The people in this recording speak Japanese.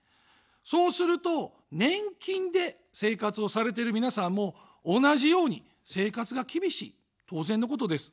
そうすると、年金で生活をされている皆さんも同じように生活が厳しい、当然のことです。